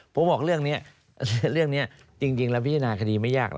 ผมบอกเรื่องนี้เลิกนี้จริงจริงและพิจารณาคดีไม่ยาก